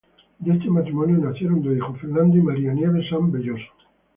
De este matrimonio nacieron dos hijos, Fernando y María Nieves Sanz Belloso.